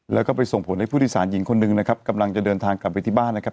แล้วก็ไปส่งผลให้ผู้โดยสารหญิงคนหนึ่งนะครับกำลังจะเดินทางกลับไปที่บ้านนะครับ